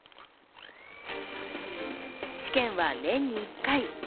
試験は年に１回。